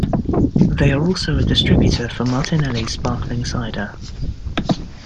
They are also a distributor for Martinelli's Sparkling Cider.